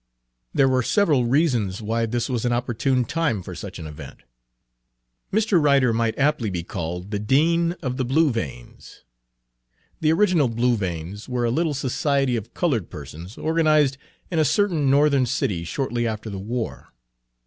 There were several reasons why this was an opportune time for such an event. Mr. Ryder might aptly be called the dean of the Blue Veins. The original Blue Veins were a little society of colored persons organized in a certain Northern city shortly after the war.